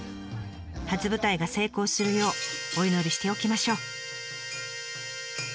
初舞台が成功するようお祈りしておきましょう。